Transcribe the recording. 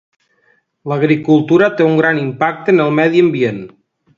L'agricultura té un gran impacte en el medi ambient.